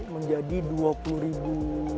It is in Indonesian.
menjadi dua puluh ribu